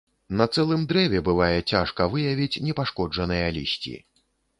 На цэлым дрэве бывае цяжка выявіць непашкоджаныя лісці.